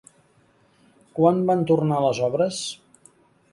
Quan van tornar les obres?